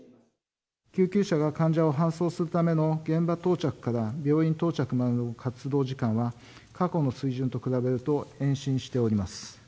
救急車が患者を搬送するための現場到着から病院到着などの活動時間は、過去の水準と比べると延伸しております。